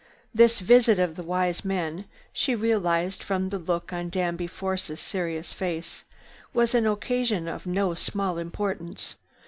This visit of the wise men, she realized from the look on Danby Force's serious face, was an occasion of no small importance.